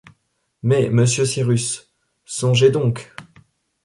Mais, monsieur Cyrus, songez donc !